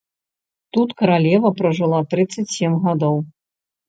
Тут каралева пражыла трыццаць сем гадоў.